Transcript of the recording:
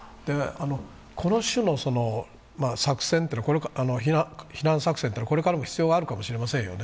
この種の避難作戦というのはこれからも必要があるかもしれませんよね。